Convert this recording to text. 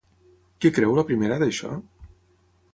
Què creu la primera d'això?